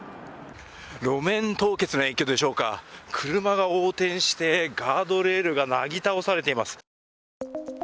路面凍結の影響でしょうか、車が横転してガードレールがなぎ倒されています。